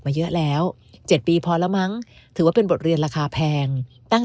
มาเยอะแล้ว๗ปีพอแล้วมั้งถือว่าเป็นบทเรียนราคาแพงตั้งแต่